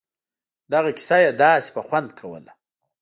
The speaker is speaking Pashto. دغه کيسه يې داسې په خوند کوله.